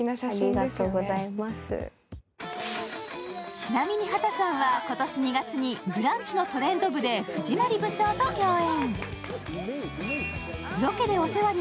ちなみに畑さんは、今年２月に「ブランチ」の「トレンド部」で藤森部長と共演。